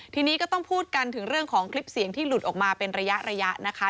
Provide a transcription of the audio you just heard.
ทีนี้ก็ต้องพูดกันถึงเรื่องของคลิปเสียงที่หลุดออกมาเป็นระยะนะคะ